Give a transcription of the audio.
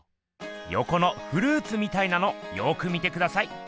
よこのフルーツみたいなのよく見てください。